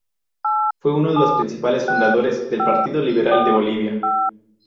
Fue uno de los principales fundadores del Partido Liberal de Bolivia.